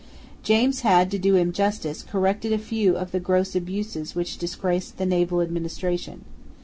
James had, to do him justice, corrected a few of the gross abuses which disgraced the naval administration.